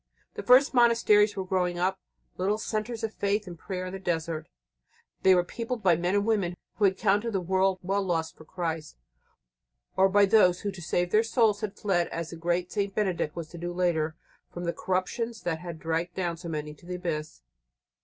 The first monasteries were growing up, little centres of faith and prayer in the desert. They were peopled by men and women who had counted the world well lost for Christ, or by those who to save their souls had fled, as the great St. Benedict was to do later, from the corruptions that had dragged down so many into the abyss.